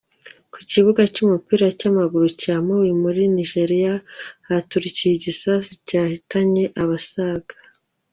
Ku kibuga cy’umupira w’amaguru cya Mubi muri Nigeriya haturikiye igisasu cyahitanye abasaga .